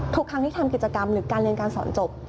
ทุกครั้งที่ทำกิจกรรมหรือการเรียนการสอนจบ